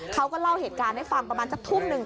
เขาก็เล่าเหตุการณ์ให้ฟังประมาณสักทุ่มหนึ่ง